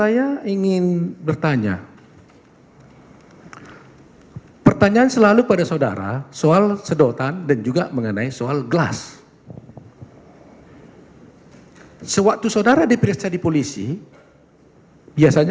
ya memang gak semuanya